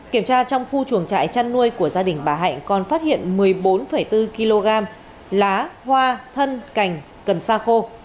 kiểm tra trong khu chuồng trại chăn nuôi của gia đình bà hạnh còn phát hiện một mươi bốn bốn kg lá hoa thân cành cần sa khô